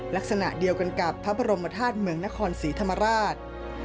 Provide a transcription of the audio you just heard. ลักษณะเดียวกันกับพระบรมธาตุเมืองนครศรีธรรมราช